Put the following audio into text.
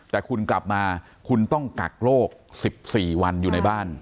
แต่คุณกลับมาคุณต้องกักโรค๑๔วันอยู่ในบ้าน